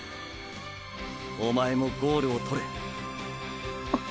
おまえもゴールをとれ。